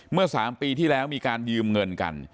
เมื่อ๓ปีที่แล้วมีการยืมเงินกัน